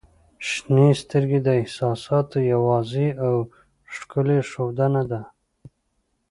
• شنې سترګې د احساساتو یوه واضح او ښکلی ښودنه ده.